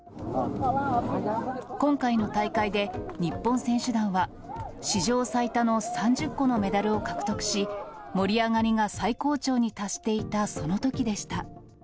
今回の大会で、日本選手団は史上最多の３０個のメダルを獲得し、盛り上がりが最高潮に達していたそのときでした。